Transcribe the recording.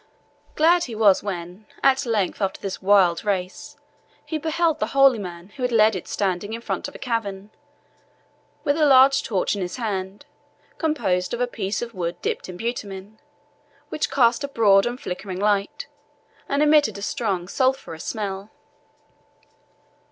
Glad he was when, at length, after this wild race, he beheld the holy man who had led it standing in front of a cavern, with a large torch in his hand, composed of a piece of wood dipped in bitumen, which cast a broad and flickering light, and emitted a strong sulphureous smell.